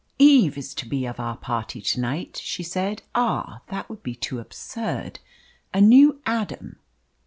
"Eve is to be of our party to night," she said. "Ah that would be too absurd a new Adam!